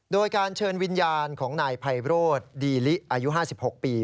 โดยการเชิญวิญญาณของนายไพโรธดีลิอายุ๕๖ปี